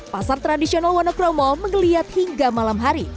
pasar tradisional wonokromo mengeliat hingga malam hari